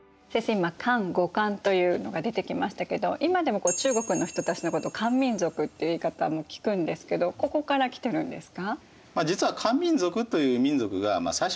今「漢」「後漢」というのが出てきましたけど今でも中国の人たちのことを漢民族って言い方も聞くんですけどここから来てるんですか？